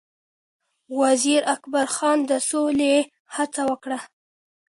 وزیر اکبرخان سولې هڅه وکړه